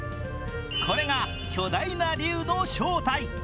これが巨大な龍の正体。